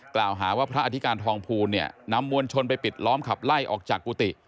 กล่าวหาว่าพระอธิการทองภูลเนี่ยนำมวลชนไปปิดล้อมขับไล่ออกจากกุฏิ